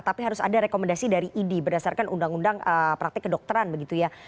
tapi harus ada rekomendasi dari idi berdasarkan undang undang praktek kedokteran begitu ya